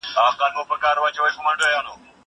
زه به سبا بازار ته ځم وم.